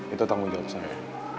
itu tanggung jawab saya